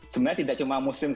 sebenarnya tidak cuma muslim